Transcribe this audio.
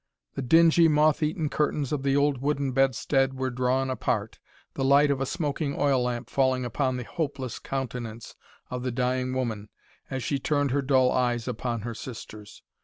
The dingy moth eaten curtains of the old wooden bedstead were drawn apart, the light of a smoking oil lamp falling upon the hopeless countenance of the dying woman as she turned her dull eyes upon her sisters.